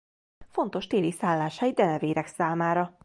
Fontos téli szálláshely denevérek számára.